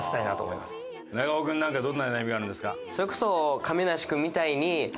長尾君なんかどんな悩みがあるんですか？